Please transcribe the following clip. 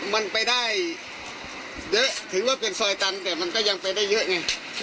มันไปได้เยอะถึงว่าเป็นซอยตันแต่มันก็ยังไปได้เยอะไง